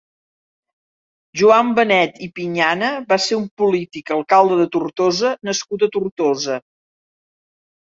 Joan Benet i Pinyana va ser un polític Alcalde de Tortosa nascut a Tortosa.